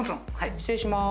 失礼します。